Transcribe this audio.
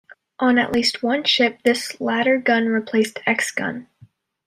On at least one ship, this latter gun replaced 'X' gun.